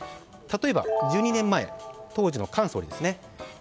例えば、１２年前当時の菅総理ですね